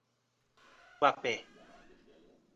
Guapé